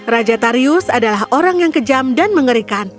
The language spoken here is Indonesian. raja tarius adalah orang yang kejam dan mengerikan